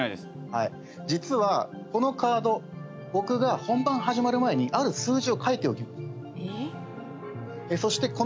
実はこのカード僕が本番始まる前にある数字を書いておきました。